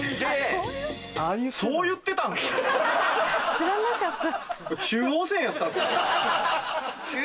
知らなかった。